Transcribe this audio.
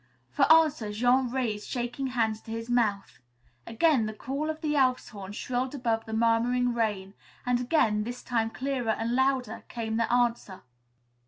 For answer, Jean raised shaking hands to his mouth. Again the call of the Elf's Horn shrilled above the murmuring rain, and again, this time clearer and louder, came the answer.